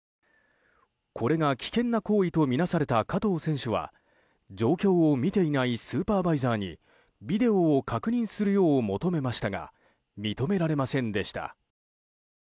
これが危険な行為とみなされた加藤選手は状況を見ていないスーパーバイザーにビデオを確認するよう求めましたが認められませんでした。